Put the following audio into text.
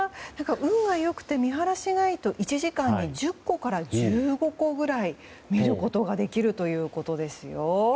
運が良くて見晴らしがいいと１時間に１０個から１５個ぐらい見ることができるということですよ。